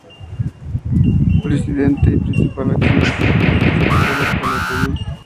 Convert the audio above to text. Presidente y principal accionista de la Plaza de Toros de Calatayud.